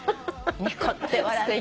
ニコって笑って。